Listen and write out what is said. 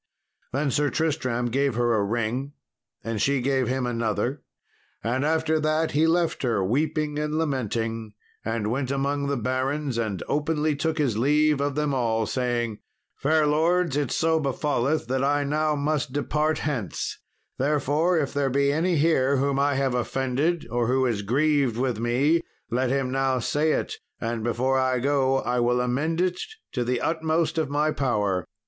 Then Sir Tristram gave her a ring, and she gave him another, and after that he left her, weeping and lamenting, and went among the barons, and openly took his leave of them all, saying, "Fair lords, it so befalleth that I now must depart hence; therefore, if there be any here whom I have offended or who is grieved with me, let him now say it, and before I go I will amend it to the utmost of my power.